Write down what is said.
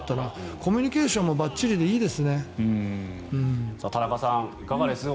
コミュニケーションもばっちりでいいですね。